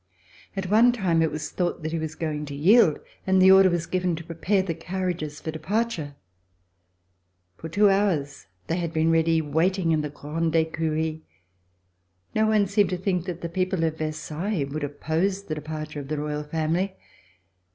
At one time it was thought that he was going to yield, and the order was given to prepare the carriages for de parture. For two hours they had been ready waiting in the Grande Ecurie. No one seemed to think that the people of Versailles would oppose the de parture of the Royal family.